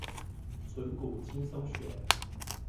存股輕鬆學